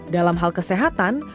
dalam hal kesehatan